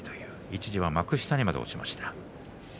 一時は幕下にまで落ちました。